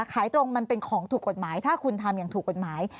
ขายตรงมันเป็นของถูกกฎหมายถ้าคุณทำอย่างถูกกฎหมาย